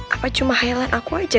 apa cuma hayalan aku aja